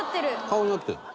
顔になってるの。